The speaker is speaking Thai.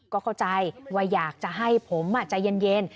ก็เข้าใจว่าอยากจะให้ผมใจเย็น